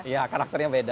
iya karakternya berbeda